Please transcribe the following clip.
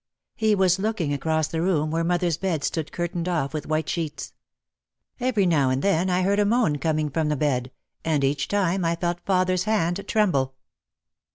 He was looking across the room where mother's bed stood curtained off with white sheets. Every now and then I heard a moan coming from the bed, and each time I felt father's hand tremble.